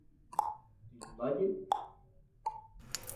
Did you like it?